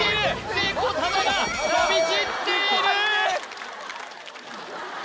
聖光玉が飛び散っているー！